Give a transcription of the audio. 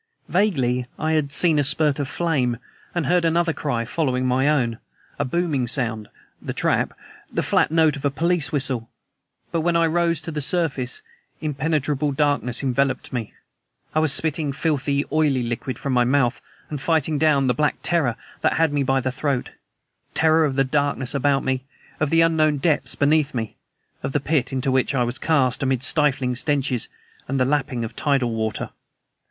Vaguely I had seen a spurt of flame, had heard another cry following my own, a booming sound (the trap), the flat note of a police whistle. But when I rose to the surface impenetrable darkness enveloped me; I was spitting filthy, oily liquid from my mouth, and fighting down the black terror that had me by the throat terror of the darkness about me, of the unknown depths beneath me, of the pit into which I was cast amid stifling stenches and the lapping of tidal water.